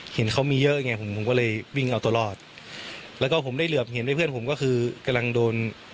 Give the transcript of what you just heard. เห็นเขามีเยอะไงผมผมก็เลยวิ่งเอาตัวรอดแล้วก็ผมได้เหลือบเห็นด้วยเพื่อนผมก็คือกำลังโดน